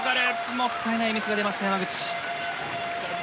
もったいないミスが出ました山口。